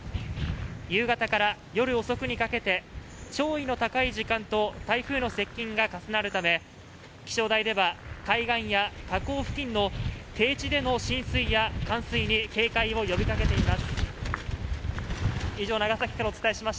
夕方から夜遅くにかけて潮位の高い時間と台風の接近が重なるため、気象台では海岸や河口付近の低地での浸水や冠水に警戒を呼びかけています。